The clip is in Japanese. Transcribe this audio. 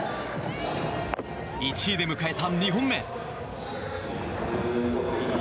１位で迎えた２本目。